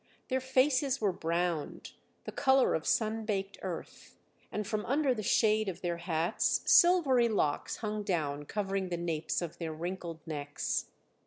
Their faces were browned, the colour of sun baked earth; and from under the shade of their hats silvery locks hung down covering the napes of their wrinkled necks.